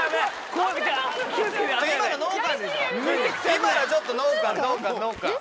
今のちょっとノーカンノーカンノーカン。